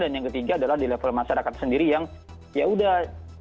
dan yang ketiga adalah di level masyarakat sendiri yang yaudah